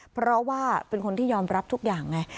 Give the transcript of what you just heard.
เพราะว่าเป็นคนที่ยอมรับทุกอย่างไง